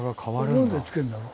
何で付けるんだろう。